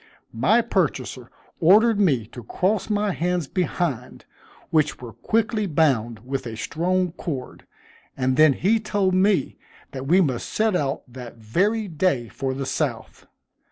My purchaser ordered me to cross my hands behind, which were quickly bound with a strong cord; and he then told me that we must set out that very day for the South.